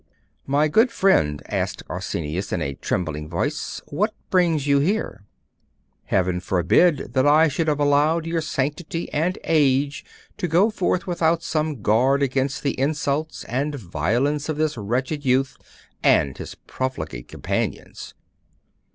'My good friend,' asked Arsenius, in a trembling voice, 'what brings you here?' 'Heaven forbid that I should have allowed your sanctity and age to go forth without some guard against the insults and violence of this wretched youth and his profligate companions.